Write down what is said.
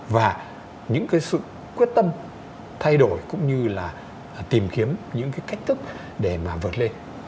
và những sự quyết tâm thay đổi cũng như tìm kiếm những cách thức để vượt lên